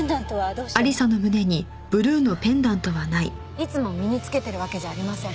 いつも身に着けてるわけじゃありません。